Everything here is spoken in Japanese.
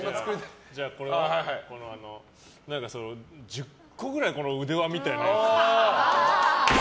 １０個くらい、腕輪みたいなやつ。